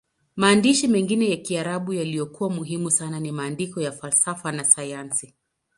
Maandishi mengine ya Kiarabu yaliyokuwa muhimu sana ni maandiko ya falsafa na sayansi.